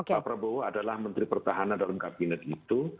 pak prabowo adalah menteri pertahanan dalam kabinet itu